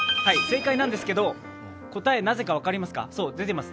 正解なんですけれども、答え、なぜか分かりますか？